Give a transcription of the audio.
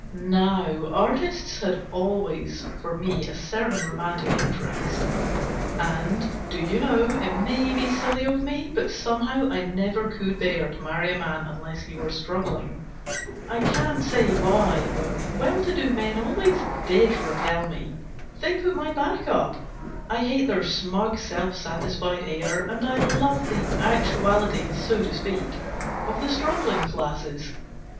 Now, artists had always for me a certain romantic interest ; and, do you know, it may be silly of me, bat somehow I never could bear to marry a man unless he were struggling. I can't say why ; but well to do men always did repel me they put my back up. I hate their smug, self satisfied air, and I love the actuality, so to speak, of the struggling classes.